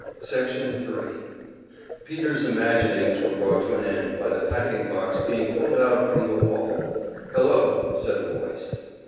Section 3 Peter's imaginings were brought to an end by the packing box being pulled out from the wall. "Hello!" said a voice.